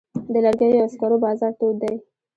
د لرګیو او سکرو بازار تود دی؟